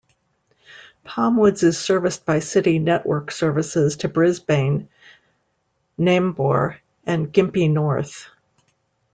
Palmwoods is serviced by City network services to Brisbane, Nambour and Gympie North.